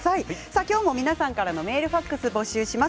今日も皆さんからメール、ファックス募集します。